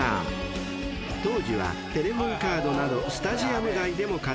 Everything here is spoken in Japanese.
［当時はテレホンカードなどスタジアム外でも活躍］